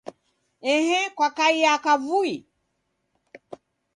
Ehe kwakaiya kavui